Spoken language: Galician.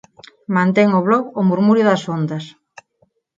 Mantén o blog "O murmurio das ondas".